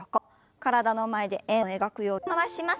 体の前で円を描くようにぐるっと回します。